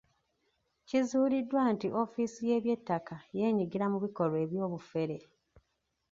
Kizuuliddwa nti ofiisi y’eby'ettaka yeenyigira mu bikolwa eby'obufere.